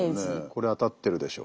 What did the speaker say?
これ当たってるでしょう。